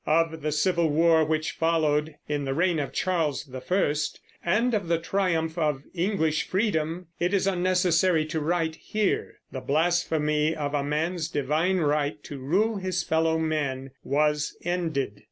Of the civil war which followed in the reign of Charles I, and of the triumph of English freedom, it is unnecessary to write here. The blasphemy of a man's divine right to rule his fellow men was ended.